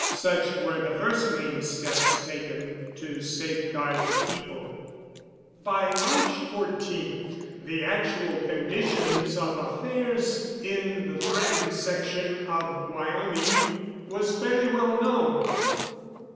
Such were the first main steps taken to safeguard the people. By March 14 the actual conditions of affairs in the threatened section of Wyoming was fairly well known.